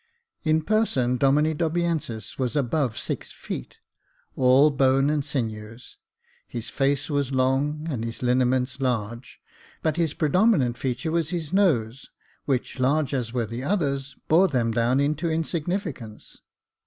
In person, Domine Dobiensis was above six feet, all bone and sinews. His face was long, and his lineaments large j but his predominant feature was his nose, which, large as were the others, bore them down into insignifi cance.